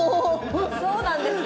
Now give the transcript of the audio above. そうなんです。